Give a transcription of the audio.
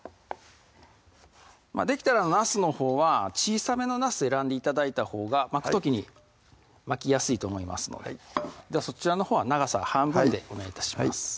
できたらなすのほうは小さめのなす選んで頂いたほうが巻く時に巻きやすいと思いますのでではそちらのほうは長さ半分でお願い致します